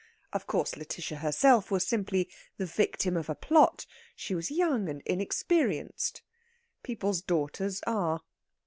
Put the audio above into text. Of course, Lætitia herself was simply the victim of a plot she was young and inexperienced; people's daughters are.